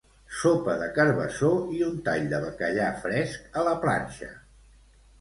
Sopa de carbassó i un tall de bacallà fresc a la planxa